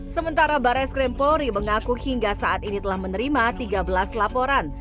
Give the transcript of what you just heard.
sementara barres krim polri mengaku hingga saat ini telah menerima tiga belas laporan